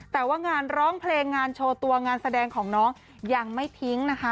แต่ว่างานร้องเพลงงานโชว์ตัวงานแสดงของน้องยังไม่ทิ้งนะคะ